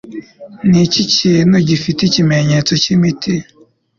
Niki kintu gifite ikimenyetso cyimiti